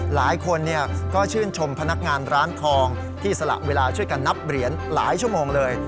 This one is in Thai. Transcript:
หลายคนก็ชื่นชมพนักงานร้านทองที่สละเวลาช่วยกันนับเหรียญหลายชั่วโมงเลย